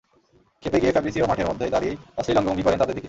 খেপে গিয়ে ফ্যাব্রিসিও মাঠের মধ্যেই দাঁড়িয়েই অশ্লীল অঙ্গভঙ্গি করেন তাদের দিকে।